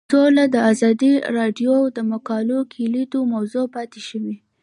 سوله د ازادي راډیو د مقالو کلیدي موضوع پاتې شوی.